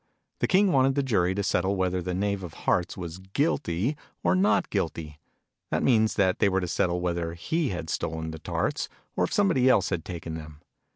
The King wanted the Jury to settle whether the Knave of Hearts was guilty or not guilty that means that they were to settle whether he had stolen the Tarts, or if somebody else had taken them.